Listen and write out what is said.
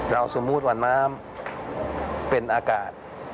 สมมุติว่าน้ำเป็นอากาศ